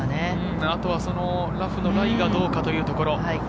あとはラフのライがどうかというところ。